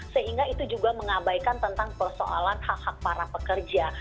sehingga itu juga mengabaikan tentang persoalan hak hak para pekerja